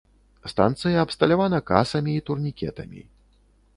Станцыя абсталявана касамі і турнікетамі.